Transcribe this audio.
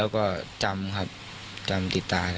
แล้วก็จำครับจำติดตา